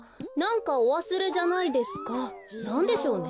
なんでしょうね？